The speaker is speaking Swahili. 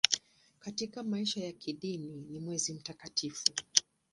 Katika maisha ya kidini ni mwezi mtakatifu.